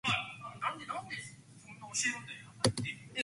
Many of its artifacts were moved to the adjacent Grand Ole Opry Museum.